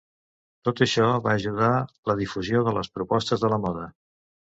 Tot això va ajudar la difusió de les propostes de la moda.